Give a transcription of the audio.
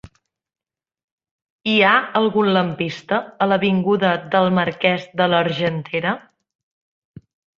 Hi ha algun lampista a l'avinguda del Marquès de l'Argentera?